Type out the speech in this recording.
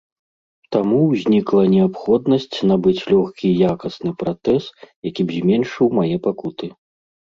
Таму ўзнікла неабходнасць набыць лёгкі і якасны пратэз, які б зменшыў мае пакуты.